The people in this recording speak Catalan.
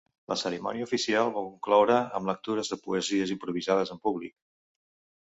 La cerimònia oficial va concloure amb lectures de poesies improvisades en públic.